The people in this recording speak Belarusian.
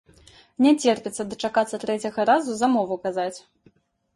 Не церпіцца дачакацца трэцяга разу замову казаць.